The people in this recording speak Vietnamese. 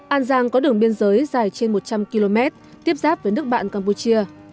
an giang có đường biên giới dài trên một trăm linh km tiếp giáp với nước bạn campuchia